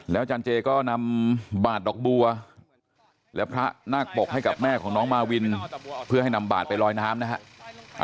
อาจารย์เจก็นำบาดดอกบัวและพระนาคปกให้กับแม่ของน้องมาวินเพื่อให้นำบาดไปลอยน้ำนะฮะ